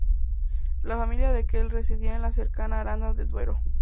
La familia de aquel residía en la cercana Aranda de Duero.